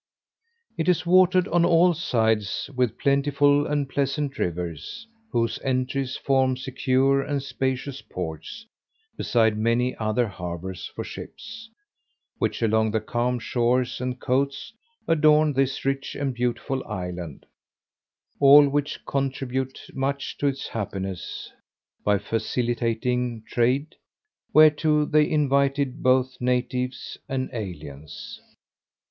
It is watered on all sides with plentiful and pleasant rivers, whose entries form both secure and spacious ports; beside many other harbours for ships, which along the calm shores and coasts adorn this rich and beautiful island; all which contribute much to its happiness, by facilitating trade, whereto they invited both natives and aliens.